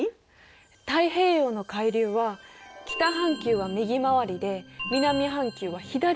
太平洋の海流は北半球は右回りで南半球は左回りでしょ。